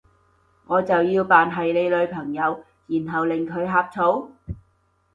我就要扮係你女朋友，然後令佢呷醋？